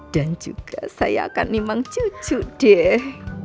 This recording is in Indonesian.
dan juga saya akan nimang cucu deh